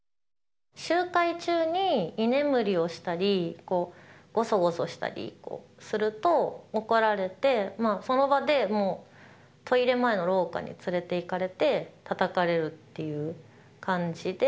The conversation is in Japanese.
集会中に居眠りをしたり、ごそごそしたりすると怒られて、その場でもうトイレ前の廊下に連れていかれて、たたかれるっていう感じで。